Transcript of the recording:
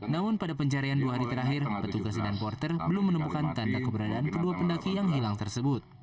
namun pada pencarian dua hari terakhir petugas dan porter belum menemukan tanda keberadaan kedua pendaki yang hilang tersebut